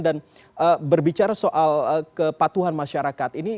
dan berbicara soal kepatuhan masyarakat ini